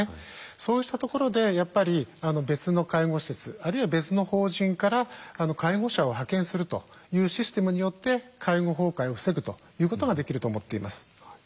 そうしたところでやっぱり別の介護施設あるいは別の法人から介護者を派遣するというシステムによって介護崩壊を防ぐということができると思っています。